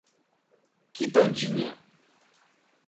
Quitandinha